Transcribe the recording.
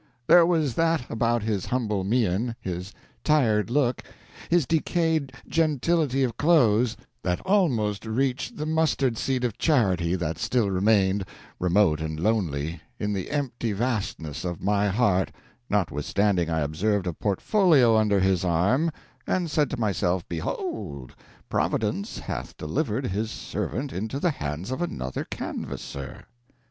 There was that about his humble mien, his tired look, his decayed gentility clothes, that almost reached the mustard seed of charity that still remained, remote and lonely, in the empty vastness of my heart, notwithstanding I observed a portfolio under his arm, and said to myself, Behold, Providence hath delivered his servant into the hands of another canvasser.